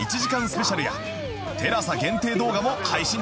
スペシャルやテラサ限定動画も配信中です